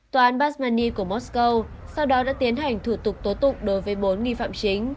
tòa án basmani của moscow sau đó đã tiến hành thủ tục tố tụng đối với bốn nghi phạm chính